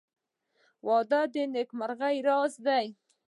• واده د نېکمرغۍ راز دی.